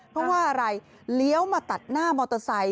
เพราะว่าอะไรเลี้ยวมาตัดหน้ามอเตอร์ไซค